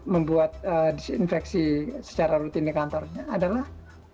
membuat disinfeksi secara rutin di kantornya adalah